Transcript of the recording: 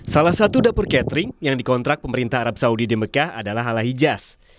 salah satu dapur catering yang dikontrak pemerintah arab saudi di mekah adalah ala hijas